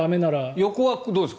横はどうですか？